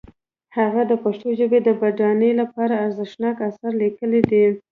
هغه د پښتو ژبې د بډاینې لپاره ارزښتناک آثار لیکلي دي.